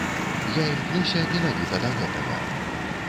Я імкнуся менавіта да гэтага.